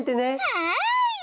はい！